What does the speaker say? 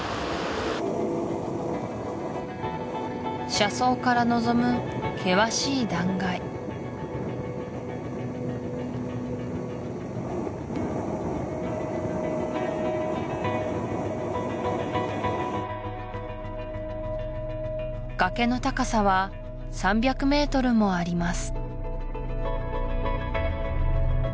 車窓から望む険しい断崖崖の高さは３００ｍもあります